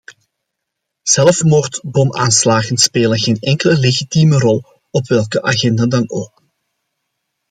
Zelfmoordbomaanslagen spelen geen enkele legitieme rol op welke agenda dan ook.